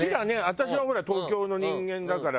私はほら東京の人間だから。